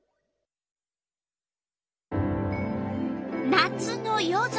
夏の夜空。